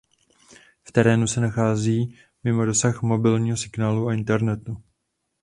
V terénu se nacházejí mimo dosah mobilního signálu a internetu.